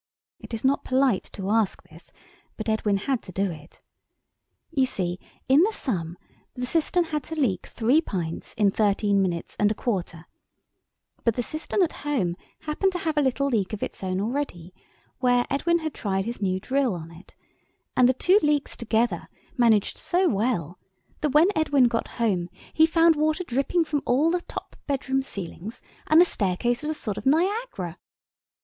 It is not polite to ask this, but Edwin had to do it. You see in the sum the cistern had to leak three pints in thirteen minutes and a quarter, but the cistern at home happened to have a little leak of its own already, where Edwin had tried his new drill on it, and the two leaks together managed so well that when Edwin got home he found water dripping from all the top bedroom ceilings and the staircase was a sort of Niagara.